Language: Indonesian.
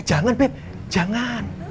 jangan beb jangan